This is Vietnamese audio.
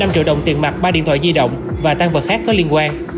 năm triệu đồng tiền mặt ba điện thoại di động và tăng vật khác có liên quan